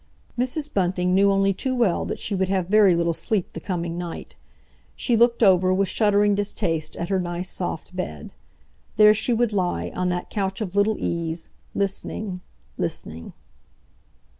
Mrs. Bunting knew only too well that she would have very little sleep the coming night. She looked over, with shuddering distaste, at her nice, soft bed. There she would lie, on that couch of little ease, listening—listening.